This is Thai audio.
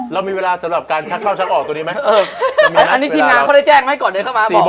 เรามีเวลาสำหรับการชักเข้าชักออกตัวนี้ไหมอันนี้ทีมงานเขาได้แจ้งไหมก่อนเดินเข้ามา